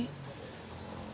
tidak ada halangan